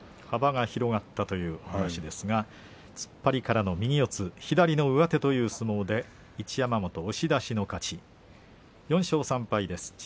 幅が広がったというお話ですが、突っ張りからの右四つ、左の上手という相撲で一山本、押し出しの勝ち４勝３敗です。